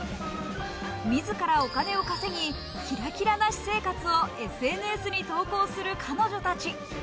自らお金を稼ぎ、キラキラな私生活をＳＮＳに投稿する彼女たち。